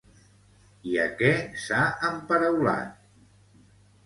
I a què s'ha emparaulat?